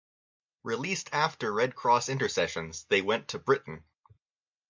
Released after Red Cross intercessions, they went to Britain.